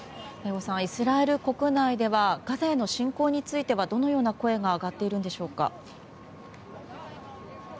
イスラエル国内ではガザへの侵攻についてはどのような声が上がっているんでしょうか。